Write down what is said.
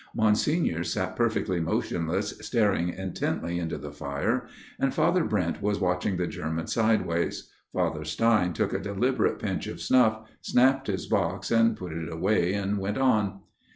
Monsignor sat perfectly motionless staring intently into the fire ; and Father Brent was watching the German sideways ; Father Stein took a deliberate pinch of snuff, snapped his box, and put it away, and went on.